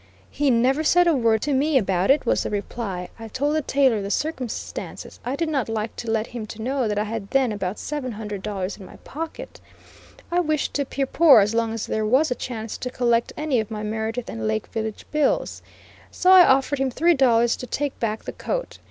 "He never said a word to me about it," was the reply. I told the tailor the circumstances; I did not like to let him to know that I had then about seven hundred dollars in my pocket; I wished to appear poor as long as there was a chance to collect any of my Meredith and Lake Village bills; so I offered him three dollars to take back the coat.